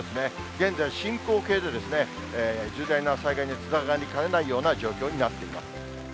現在進行形で、重大な災害につながりかねないような状況になっています。